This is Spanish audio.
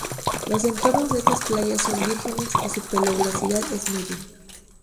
Los entornos de estas playas son vírgenes y su peligrosidad es media.